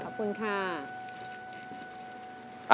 ขอบคุณค่ะ